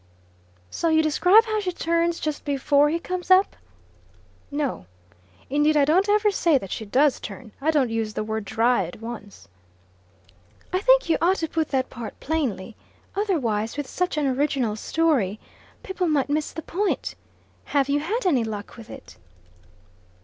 "So you describe how she turns just before he comes up?" "No. Indeed I don't ever say that she does turn. I don't use the word 'Dryad' once." "I think you ought to put that part plainly. Otherwise, with such an original story, people might miss the point. Have you had any luck with it?"